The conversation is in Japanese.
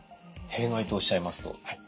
弊害とおっしゃいますと？